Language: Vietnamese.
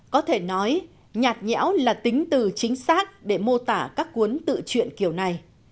có thể nói nhạt nhẽo là tính từ chính xác để mô tả các cuốn tự chuyện kiểu này